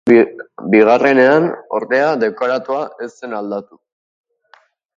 Bigarrenean, ordea, dekoratua ez zen aldatu.